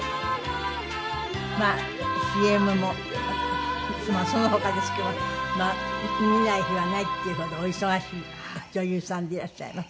まあＣＭもその他ですけど見ない日はないっていうほどお忙しい女優さんでいらっしゃいます。